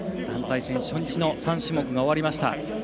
団体戦初日３種目が終わりました。